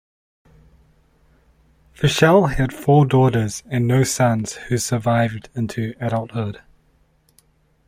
Fischel had four daughters and no sons who survived into adulthood.